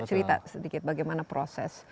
cerita sedikit bagaimana proses